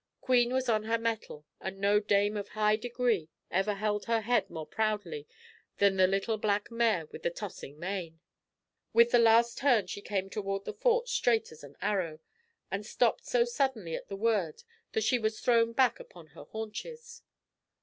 Queen was on her mettle, and no dame of high degree ever held her head more proudly than the little black mare with the tossing mane. With a last turn she came toward the Fort straight as an arrow, and stopped so suddenly at the word that she was thrown back upon her haunches.